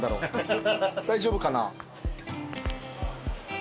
大丈夫かな？